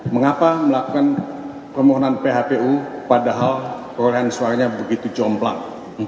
mengapa melakukan permohonan phpu padahal perolehan suaranya begitu jomblang empat puluh